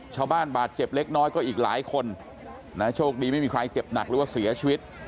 ชาวบ้านบาดเจ็บเล็กน้อยก็อีกหลายคนนะโชคดีไม่มีใครเจ็บหนักหรือว่าเสียชีวิต